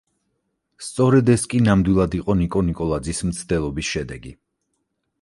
სწორედ ეს კი ნამდვილად იყო, ნიკო ნიკოლაძის მცდელობის შედეგი.